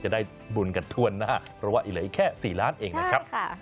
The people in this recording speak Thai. จะได้บุญกันทั่วหน้าเพราะว่าเหลืออีกแค่๔ล้านเองนะครับ